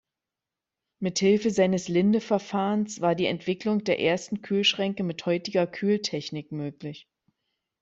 Mithilfe seines Linde-Verfahrens war die Entwicklung der ersten Kühlschränke mit heutiger Kühltechnik möglich.